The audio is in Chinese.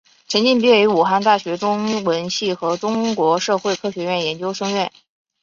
陈晋毕业于武汉大学中文系和中国社会科学院研究生院。